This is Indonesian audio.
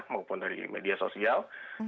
maupun dari media sosial